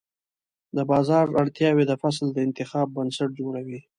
د بازار اړتیاوې د فصل د انتخاب بنسټ جوړوي.